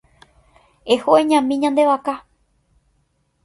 Eho eñami ñande vaka.